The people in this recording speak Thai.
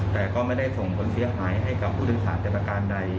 แต่ก็ไม่ได้ส่งผลเสียหายให้กับผู้โดยสารแต่ประการใด